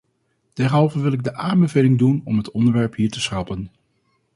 Derhalve wil ik de aanbeveling doen om het onderwerp hier te schrappen.